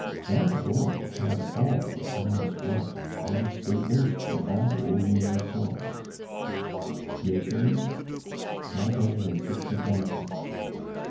That boy had all the pals' blunt, our savings, and all old Nourrisson's." "Making ?" "Five hundred and sixty thousand."